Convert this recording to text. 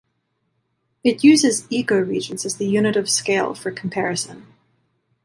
It uses ecoregions as the unit of scale for comparison.